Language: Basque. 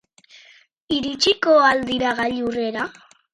Iritsiko al dira gailurrera?